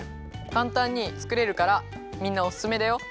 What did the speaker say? かんたんにつくれるからみんなおすすめだよ。